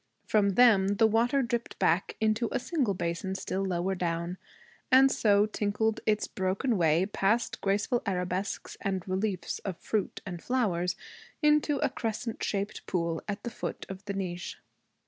From them the water dripped back into a single basin still lower down, and so tinkled its broken way, past graceful arabesques and reliefs of fruit and flowers, into a crescent shaped pool at the foot of the niche.